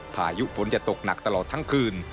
พายุฝนจะตกหนักตลอดทั้งคืน